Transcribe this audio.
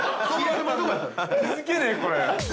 ◆気づけねえ、これ。